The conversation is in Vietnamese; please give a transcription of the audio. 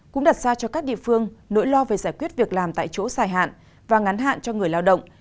cũng đặt ra cho các địa phương nỗi lo về giải quyết việc làm tại chỗ dài hạn và ngắn hạn cho người lao động